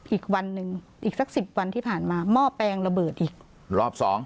อีกวันหนึ่งอีกสักสิบวันที่ผ่านมาหม้อแปลงระเบิดอีกรอบสอง